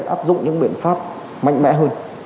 áp dụng những biện pháp mạnh mẽ hơn